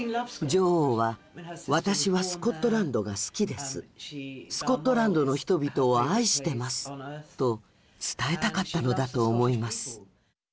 女王は「私はスコットランドが好きです。スコットランドの人々を愛してます」と伝えたかったのだと思います。